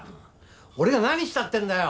俺が何したってんだよ！